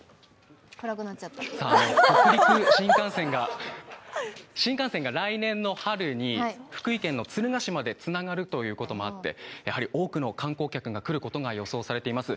北陸新幹線が来年の春に福井県の敦賀市までつながるということもあってやはり多くの観光客が来ることが予想されています。